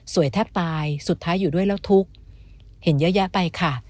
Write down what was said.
แทบตายสุดท้ายอยู่ด้วยแล้วทุกข์เห็นเยอะแยะไปค่ะ